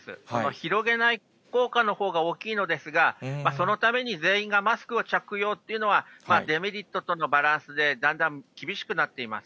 広げない効果のほうが大きいのですが、そのために全員がマスクを着用っていうのは、デメリットとのバランスでだんだん厳しくなっています。